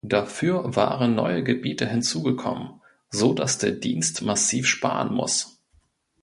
Dafür waren neue Gebiete hinzugekommen, so dass der Dienst massiv sparen muss.